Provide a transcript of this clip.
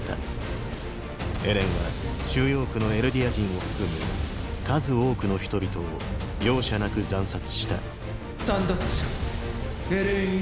エレンは収容区のエルディア人を含む数多くの人々を容赦なく惨殺した簒奪者エレン・イェーガー。